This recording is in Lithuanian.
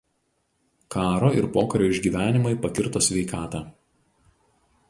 Karo ir pokario išgyvenimai pakirto sveikatą.